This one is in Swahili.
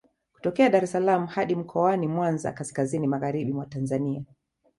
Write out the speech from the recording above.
Kutokea Dar es salaam hadi Mkoani Mwanza kaskazini magharibi mwa Tanzania